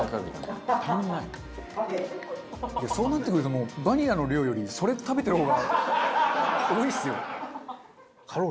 そうなってくるともうバニラの量よりそれ食べてる方が多いですよ。